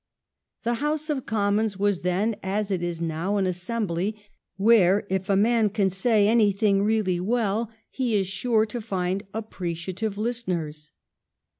The House of Commons was then, as it is now, an assembly where if a man can say anything really well he is sure to find appreciative listeners.